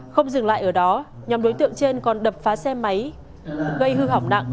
không dừng lại ở đó nhóm đối tượng trên còn đập phá xe máy gây hư hỏng nặng